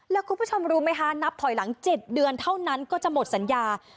แล้วคุณผู้ชมรู้ไหมคะนับถอยหลัง๗เดือนเท่านั้นก็จะหมดสัญญา